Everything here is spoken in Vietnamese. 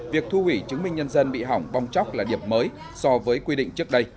việc thu hủy chứng minh nhân dân bị hỏng bong chóc là điểm mới so với quy định trước đây